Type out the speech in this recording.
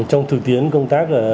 trong thủ tiến công tác